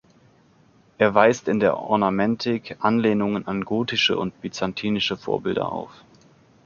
Er weist in der Ornamentik Anlehnungen an gotische und byzantinische Vorbilder auf.